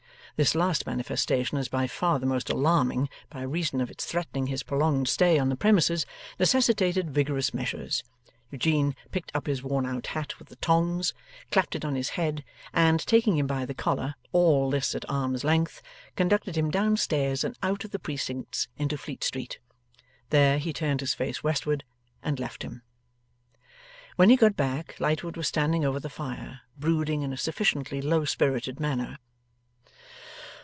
This last manifestation as by far the most alarming, by reason of its threatening his prolonged stay on the premises, necessitated vigorous measures. Eugene picked up his worn out hat with the tongs, clapped it on his head, and, taking him by the collar all this at arm's length conducted him down stairs and out of the precincts into Fleet Street. There, he turned his face westward, and left him. When he got back, Lightwood was standing over the fire, brooding in a sufficiently low spirited manner.